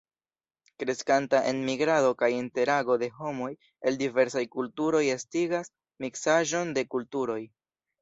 Kreskanta enmigrado kaj interago de homoj el diversaj kulturoj estigas miksaĵon de kulturoj.